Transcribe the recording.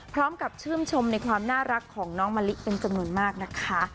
พร้อมกับชื่นชมในความน่ารักของน้องมะลิเป็นจำนวนมากนะคะ